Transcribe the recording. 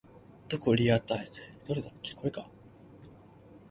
花卷